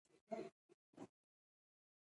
کلتور د افغانستان د ځانګړي ډول جغرافیه استازیتوب کوي.